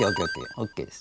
ＯＫです。